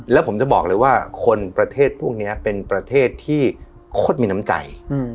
แล้วผมจะบอกเลยว่าคนประเทศพวกนี้เป็นประเทศที่โคตรมีน้ำใจ